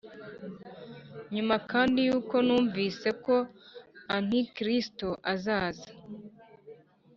nyuma kandi yuko mwumvise ko antikristo azaza